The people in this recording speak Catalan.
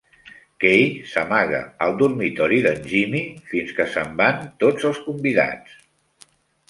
Kay s'amaga al dormitori d'en Jimmy fins que s'en van tots els invitats.